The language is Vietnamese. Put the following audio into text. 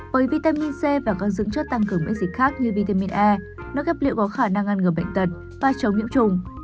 với vitamin c và các dưỡng chất tăng cường bệnh dịch khác như vitamin e nước ép lựu có khả năng ngăn ngừa bệnh tật và chống nhiễm trùng